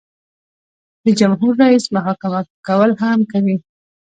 د جمهور رئیس محاکمه کول هم کوي.